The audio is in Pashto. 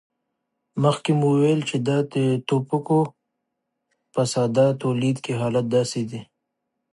مخکې مو وویل چې د توکو په ساده تولید کې حالت داسې دی